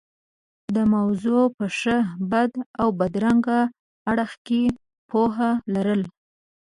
د موضوع په ښه، بد او بدرنګه اړخ کې پوهه لرل.